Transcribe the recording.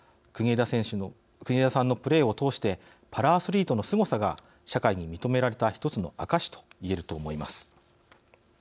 国枝さんのプレーを通してパラアスリートのすごさが社会に認められた１つの証しと言えると思います。